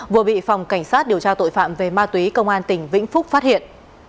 vừa bị phòng cảnh sát điều tra tội phạm về ma túy công an tỉnh vĩnh phúc phát hiện